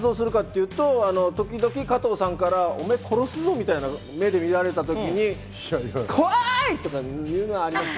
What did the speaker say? どこで発動するかというと、時々、加藤さん、おめぇ殺すぞ！みたいな目で見られた時に、怖い！とかいうのはあります。